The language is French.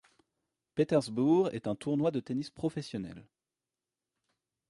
Petersburg est un tournoi de tennis professionnel.